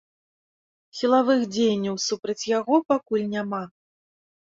Сілавых дзеянняў супраць яго пакуль няма.